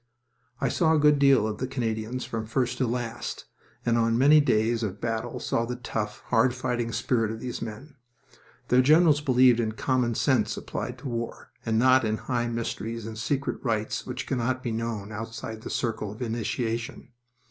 I saw a good deal of the Canadians from first to last, and on many days of battle saw the tough, hard fighting spirit of these men. Their generals believed in common sense applied to war, and not in high mysteries and secret rites which cannot be known outside the circle of initiation.